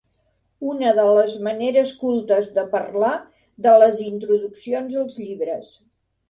Una de les maneres cultes de parlar de les introduccions als llibres.